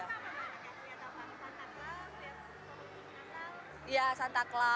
gak siapa siapa santa claus lihat pembunuhnya